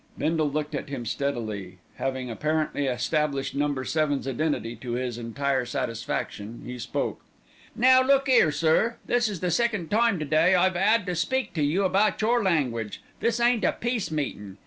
Bindle looked at him steadily. Having apparently established Number Seven's identity to his entire satisfaction, he spoke. "Now look 'ere, sir, this is the second time to day I've 'ad to speak to you about your language. This ain't a peace meetin'.